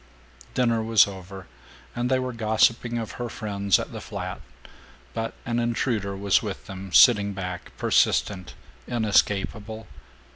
Dinner was over and they were gossiping of her friends at the flat, but an intruder was with them, sitting back, persistent, inescapable.